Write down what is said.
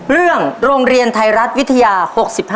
เรื่องโรงเรียนไทยรัฐวิทยา๖๕ครับ